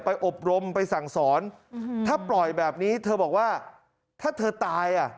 อบรมไปสั่งสอนถ้าปล่อยแบบนี้เธอบอกว่าถ้าเธอตายอ่ะ